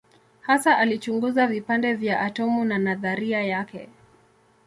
Hasa alichunguza vipande vya atomu na nadharia yake.